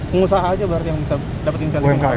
pengusaha aja berarti yang bisa dapetin pilihan umkm